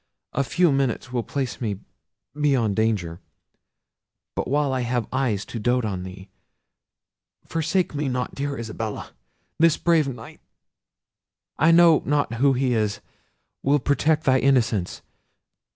A few minutes will place me beyond danger; but while I have eyes to dote on thee, forsake me not, dear Isabella! This brave Knight—I know not who he is—will protect thy innocence.